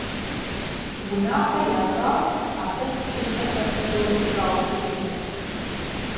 Унафэ ящӀащ абы чыцэхэр псори щраупщӀыкӀыну.